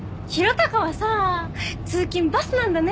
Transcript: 嵩はさぁ通勤バスなんだね！